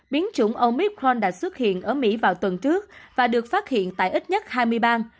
biến chủng omith caron đã xuất hiện ở mỹ vào tuần trước và được phát hiện tại ít nhất hai mươi bang